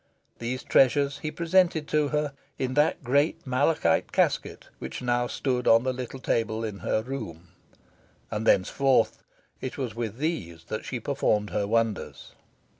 These treasures he presented to her in that great malachite casket which now stood on the little table in her room; and thenceforth it was with these that she performed her wonders.